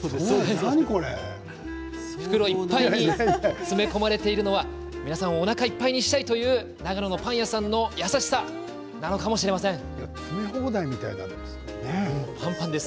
袋いっぱいに詰め込まれているのはみんなをおなかいっぱいにしたいという長野のパン屋さんの優しさなのかもしれませんね。